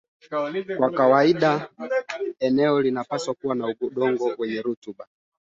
kwamba wapiganaji wanaoaminika kuwa wanachama wa walivamia kijiji cha Bulongo